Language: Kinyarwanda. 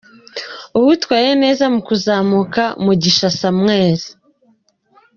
Uwitwaye neza mu kuzamuka: Mugisha Samuel.